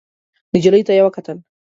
نجلۍ ته يې وکتل.